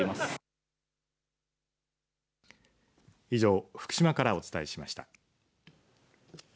以上、福島からお伝えしました。